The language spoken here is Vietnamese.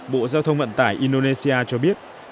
bộ giao thông vận tải indonesia cho biết